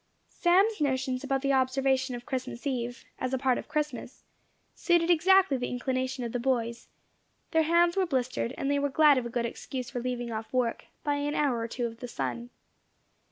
Sam's notions about the observation of Christmas eve, as a part of Christmas, suited exactly the inclination of the boys; their hands were blistered, and they were glad of a good excuse for leaving off work, by an hour or two of the sun.